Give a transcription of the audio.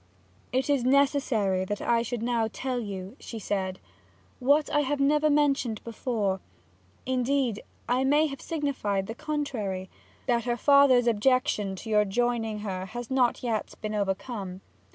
'It is Necessary that I should now tell you,' she said, 'what I have never Mentioned before indeed I may have signified the Contrary that her Father's Objection to your joining her has not as yet been overcome.